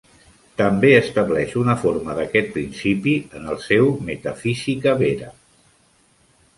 També estableix una forma d'aquest principi en el seu 'Metaphysica vera'.